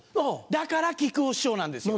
だから木久扇師匠なんですよ。